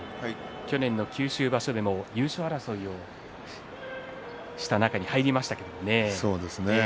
去年の九州場所での優勝争いをした中に入りましたけれどもね。